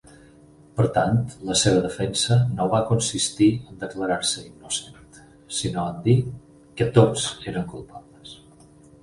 Per tant, la seva defensa no va consistir en declarar-se innocent, sinó en dir que tots eren culpables.